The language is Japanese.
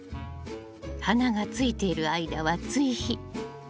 花がついている間は追肥。